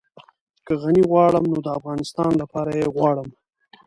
که غني غواړم نو د افغانستان لپاره يې غواړم.